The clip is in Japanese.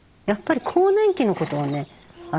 やっぱり更年期のことをね